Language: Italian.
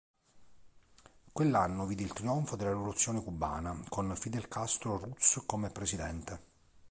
Quell'anno vide il trionfo della rivoluzione cubana, con Fidel Castro Ruz come presidente.